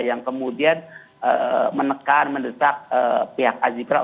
yang kemudian menekan mendesak pihak azikra